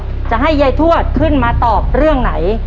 ต่อไปอีกหนึ่งข้อเดี๋ยวเราไปฟังเฉลยพร้อมกันนะครับคุณผู้ชม